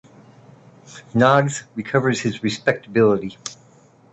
Noggs recovers his respectability.